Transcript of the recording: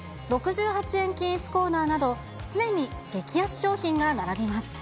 ６８円均一コーナーなど、常に激安商品が並びます。